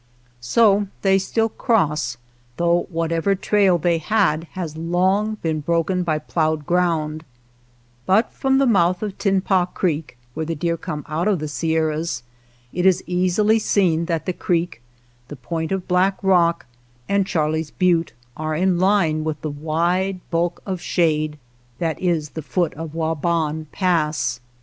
So they still cross, though whatever trail they had has been long broken by ploughed ground ; but from the mouth of Tinpah Creek, where'the deer come out of the Sierras, it is easily seen that the creek, the point of Black Rock, and Charley's Butte are in line with the wide bulk of shade that is the foot of Wa ban Pass.